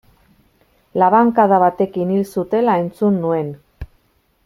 Labankada batekin hil zutela entzun nuen.